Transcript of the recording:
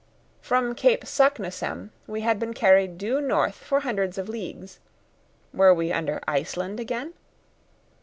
From Cape Saknussemm we had been carried due north for hundreds of leagues. Were we under Iceland again?